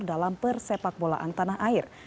dalam persepak bolaan tanah air